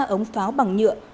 năm mươi ba ống pháo bằng nhựa